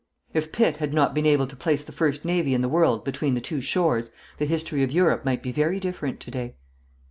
If Pitt had not been able to place the first navy in the world between the two shores the history of Europe might be very different to day.